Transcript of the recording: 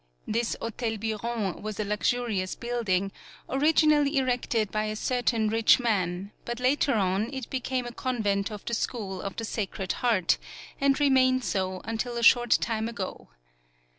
This Hotel Biron was a lux urious building, originally erected by a certain rich man, but later on it be came a convent of the school of the Sacred Heart, and remained so, until a short time ago.